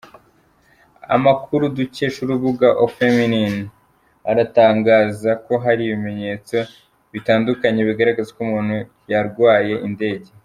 Amakuru dukesha urubuga aufeminin, aratangaza ko hari ibimenyetso bitandukanye bigaragaza ko umuntu yarwaye indege.